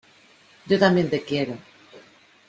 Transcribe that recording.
Yo también te quiero.